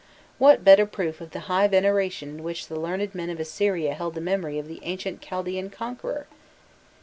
* What better proof of the high veneration in which the learned men of Assyria held the memory of the ancient Chaldaean conqueror?